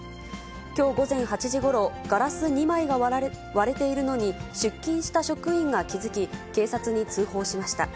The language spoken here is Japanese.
きょう午前８時ごろ、ガラス２枚が割れているのに、出勤した職員が気付き、警察に通報しました。